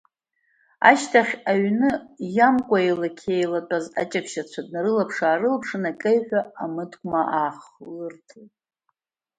Ашьҭахь аҩны иамкуа еилақь еилатәаз аҷаԥшьацәа днарылаԥш-аарылаԥшын, акеҩҳәа амыткәма аахлыртлеит.